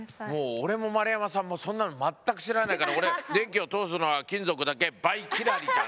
もう俺も丸山さんもそんなの全く知らないから「電気を通すのは金属だけｂｙきらり」